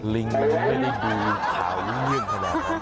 ลิงเลยไม่ได้ดูข่าวกูเงื่อนขนาดนั้น